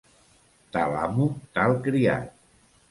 Tal amo, tal criat.